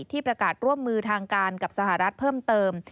ที่ประกาศร่วมมือทางการกับสหรัฐเพิ่มเติม